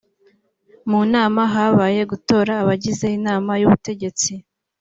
mu nama habaye gutora abagize inama y’ubutegetsi